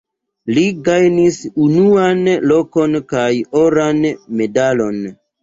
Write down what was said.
Li gajnis unuan lokon kaj oran medalon.